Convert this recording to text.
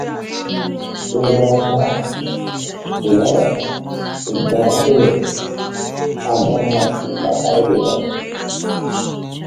site n'aka 'General' Ibrahim Badamasi Babangida